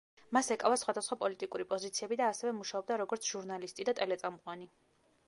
მას ეკავა სხვადასხვა პოლიტიკური პოზიციები და ასევე მუშაობდა როგორც ჟურნალისტი და ტელეწამყვანი.